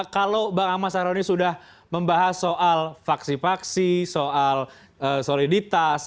kalau bang amas aroni sudah membahas soal faksi faksi soal soliditas